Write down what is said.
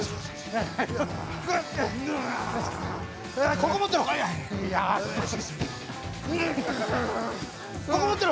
ここ持ってろ。